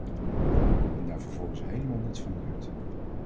En daar vervolgens helemaal niets van leert!